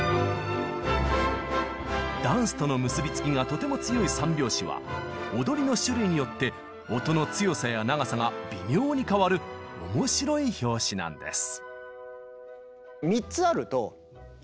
ダンスとの結び付きがとても強い３拍子は踊りの種類によって音の強さや長さが微妙に変わる面白い拍子なんです。